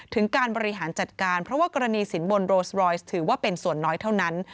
ถึงการบริหารจัดการเพราะว่ากรณีสินบนโรสบรอยซ์ถือว่าเป็นส่วนน้อยเท่านั้น